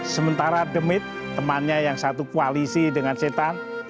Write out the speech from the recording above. sementara demit temannya yang satu koalisi dengan setan